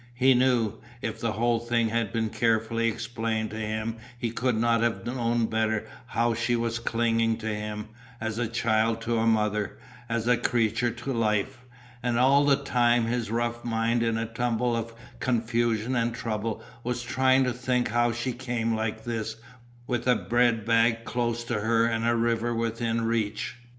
He knew. If the whole thing had been carefully explained to him he could not have known better how she was clinging to him, as a child to a mother, as a creature to life. And all the time his rough mind in a tumble of confusion and trouble was trying to think how she came like this, with a bread bag close to her and a river within reach.